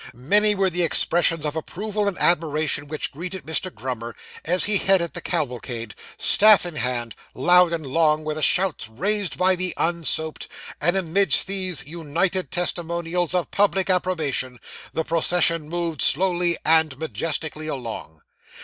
Many were the expressions of approval and admiration which greeted Mr. Grummer, as he headed the cavalcade, staff in hand; loud and long were the shouts raised by the unsoaped; and amidst these united testimonials of public approbation, the procession moved slowly and majestically along.